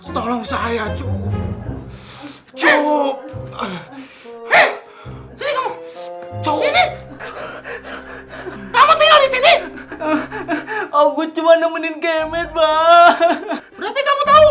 tolong saya cukup cukup hai hai kamu tinggal di sini aku cuma nemenin kemet bah berarti kamu tahu